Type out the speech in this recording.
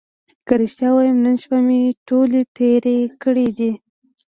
که رښتیا ووایم نن شپه مې ټولې تېرې کړې دي.